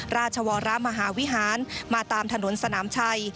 ราชวรมหาวิหารมาตามถนนสนามชัย